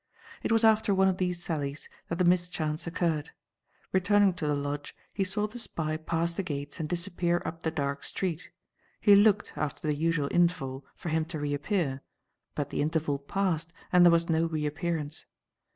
It was after one of these sallies that the mischance occurred. Returning to the Lodge, he saw the spy pass the gates and disappear up the dark street; he looked, after the usual interval, for him to reappear. But the interval passed and there was no reappearance.